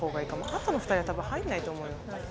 あとの２人は多分入んないと思うよ。